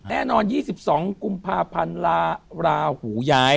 แน่นอน๒๒กุมภาพันธ์ลาหูย้าย